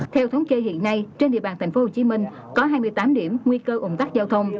theo thống kê hiện nay trên địa bàn tp hcm có hai mươi tám điểm nguy cơ ủng tắc giao thông